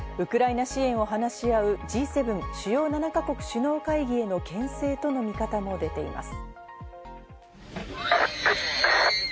ウクライナ支援を話し合うＧ７＝主要７か国首脳会議への牽制との見方も出ています。